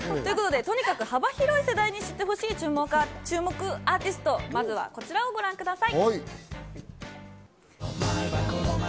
とにかく幅広い世代に知ってほしい注目アーティスト、まずはこちらをご覧ください。